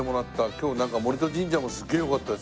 今日なんか森戸神社もすげえ良かったし。